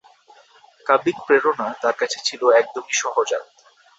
কাব্যিক প্রেরণা তার কাছে ছিল একদমই সহজাত।